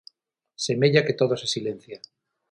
Semella que todo se silencia.